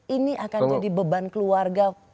ini akan jadi beban keluarga